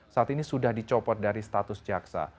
saat ini sudah dicopot dari status jaksa